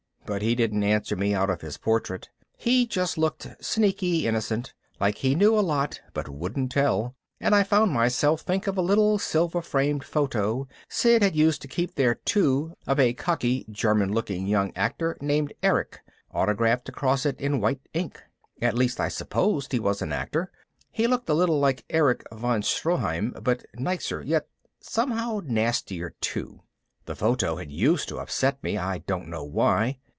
But he didn't answer me out of his portrait. He just looked sneaky innocent, like he knew a lot but wouldn't tell, and I found myself think of a little silver framed photo Sid had used to keep there too of a cocky German looking young actor with "Erich" autographed across it in white ink. At least I supposed he was an actor. He looked a little like Erich von Stroheim, but nicer yet somehow nastier too. The photo had used to upset me, I don't know why.